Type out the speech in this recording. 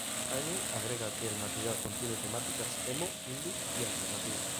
Heaney agrega que el material contiene temáticas emo, indie y alternativo.